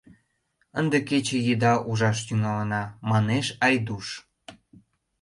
— Ынде кече еда ужаш тӱҥалына, — манеш Айдуш.